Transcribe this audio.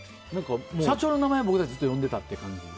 社長の名前を僕たちはずっと呼んでたってこと。